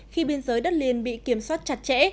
khi biên giới đất liền bị kiểm soát chặt chẽ